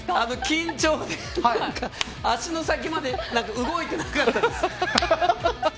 緊張で何か、足の先まで動いてなかったです。